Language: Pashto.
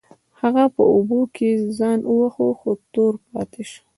هغه په اوبو کې ځان وواهه خو تور پاتې شو.